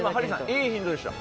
いいヒントでした。